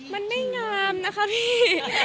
มันไม่งามนะคะพี่